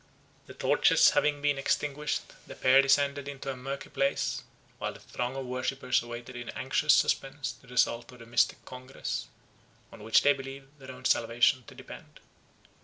The torches having been extinguished, the pair descended into a murky place, while the throng of worshippers awaited in anxious suspense the result of the mystic congress, on which they believed their own salvation to depend.